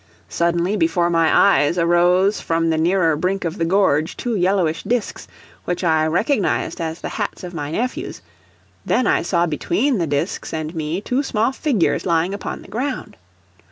Suddenly before my eyes arose from the nearer brink of the gorge two yellowish disks, which I recognized as the hats of my nephews; then I saw between the disks and me two small figures lying upon the ground.